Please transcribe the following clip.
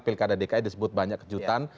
pilkada dki disebut banyak kejutan